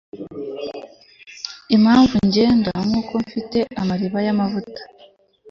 Impamvu ngenda nkuko mfite amariba yamavuta